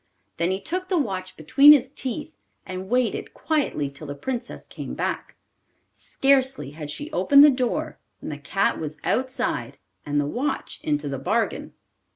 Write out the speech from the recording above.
Then he took the watch between his teeth, and waited quietly till the Princess came back. Scarcely had she opened the door when the cat was outside, and the watch into the bargain.